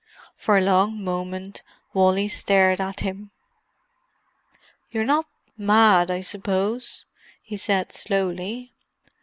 For a long moment Wally stared at him. "You're not mad, I suppose?" he said slowly.